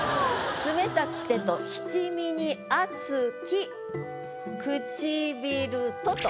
「冷たき手と七味に熱き唇と」と。